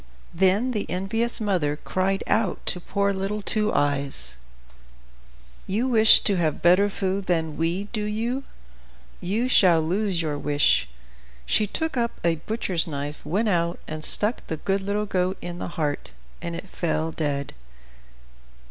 Then the envious mother cried out to poor little Two Eyes, "You wish to have better food than we, do you? You shall lose your wish!" She took up a butcher's knife, went out, and stuck the good little goat in the heart, and it fell dead.